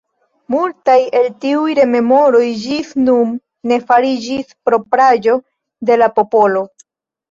Multaj el tiuj rememoroj ĝis nun ne fariĝis propraĵo de la popolo.